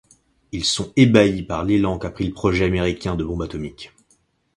Ils sont ébahis par l'élan qu'a pris le projet américain de bombe atomique.